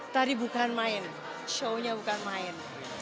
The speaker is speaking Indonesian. tari bukan main show nya bukan main